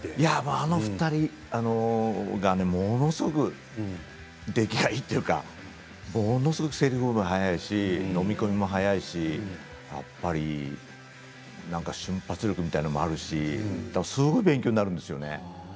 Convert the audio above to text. あの２人が、ものすごく出来がいいというかものすごく、せりふ覚えも飲み込みも早いし、やっぱり瞬発力みたいなものもあるしすごい勉強になるんですよね。